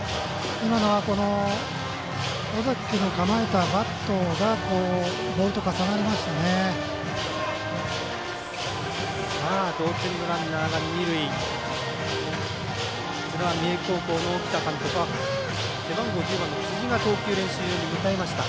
今のは尾崎君の構えたバットがボールと重なりましたね。